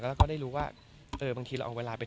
ก็มีไปคุยกับคนที่เป็นคนแต่งเพลงแนวนี้